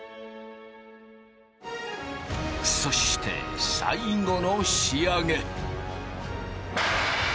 そして最後の仕上げ。